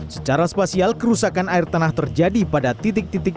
secara spasial kerusakan air tanah terjadi pada titik titik